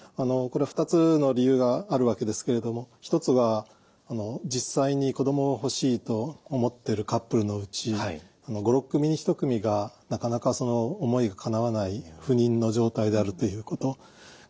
これ２つの理由があるわけですけれども一つは実際に子どもを欲しいと思っているカップルのうち５６組に１組がなかなかその思いがかなわない不妊の状態であるということ。